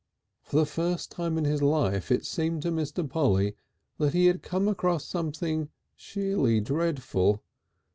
For the first time in his life it seemed to Mr. Polly that he had come across something sheerly dreadful.